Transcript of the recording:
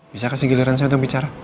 bisa kasih giliran saya untuk bicara